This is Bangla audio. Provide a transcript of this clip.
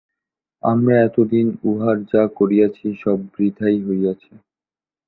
আমরা এতদিন উহার যা করিয়াছি সব বৃথাই হইয়াছে।